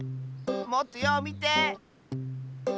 もっとようみて！